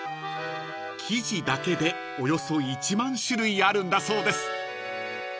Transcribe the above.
［生地だけでおよそ１万種類あるんだそうです］